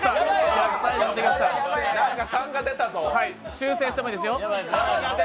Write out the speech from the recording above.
修正していもいいですよ。